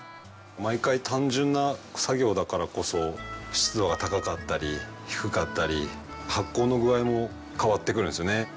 毎回単純な作業だからこそ湿度が高かったり低かったり発酵の具合も変わってくるんですよね。